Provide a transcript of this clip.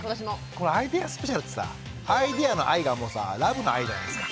このアイデアスペシャルってさアイデアの「アイ」がもうさラブの「愛」じゃないですか。